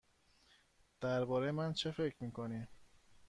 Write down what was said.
درباره من چه فکر می کنی؟